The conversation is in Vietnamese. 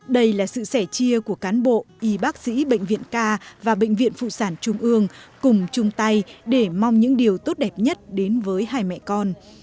đây là sự sẻ chia của cán bộ y bác sĩ bệnh viện k và bệnh viện phụ sản trung ương cùng chung tay để mong những điều tốt đẹp nhất đến với hai mẹ con